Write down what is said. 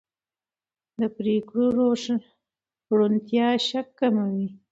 د پرېکړو روڼتیا شک کموي